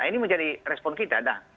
ini menjadi respon kita